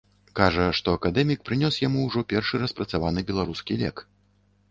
Кажа, што акадэмік прынёс яму ўжо першы распрацаваны беларускі лек.